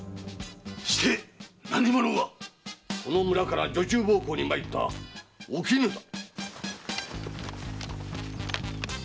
して何者が⁉この村から女中奉公に参った“おきぬ”だ。